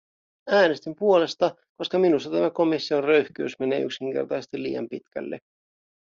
Äänestin puolesta, koska minusta tämä komission röyhkeys menee yksinkertaisesti liian pitkälle.